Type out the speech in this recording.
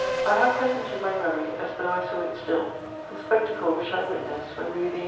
I have present in my memory, as though I saw it still, the spectacle which I witnessed when Louis XVIII.